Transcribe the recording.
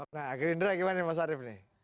nah gerindra gimana nih mas arief nih